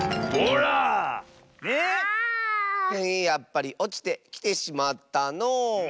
やっぱりおちてきてしまったのう。